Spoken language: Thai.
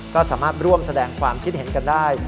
ก็สามารถร่วมแสดงความคิดเห็นกันได้